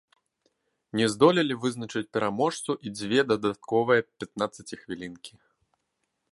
Не здолелі вызначыць пераможцу і дзве дадатковыя пятнаццаціхвілінкі.